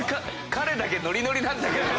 彼だけノリノリなんだけど。